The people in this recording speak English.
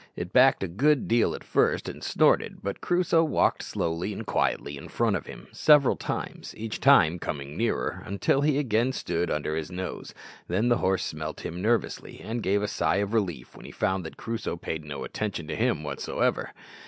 It backed a good deal at first and snorted, but Crusoe walked slowly and quietly in front of him several times, each time coming nearer, until he again stood under his nose; then the horse smelt him nervously, and gave a sigh of relief when he found that Crusoe paid no attention to him whatever.